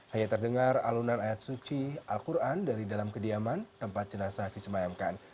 hanya terdengar alunan ayat suci al quran dari dalam kediaman tempat jenazah disemayamkan